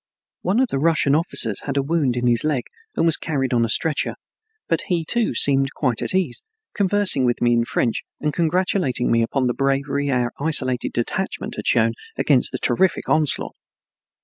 One of the Russian officers had a wound in his leg and was carried on a stretcher, but he, too, seemed quite at ease, conversing with me in French and congratulating me upon the bravery our isolated detachment had shown against the terrific onslaught.